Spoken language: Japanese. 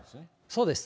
そうです。